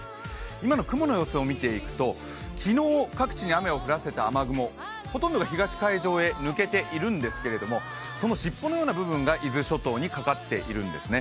今の雲の様子を見ていくと昨日、各地に雨を降らせた雨雲ほとんどが東海上に抜けているんですけどそのしっぽのような部分が伊豆諸島にかかっているんですね。